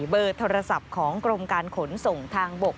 เบอร์โทรศัพท์ของกรมการขนส่งทางบก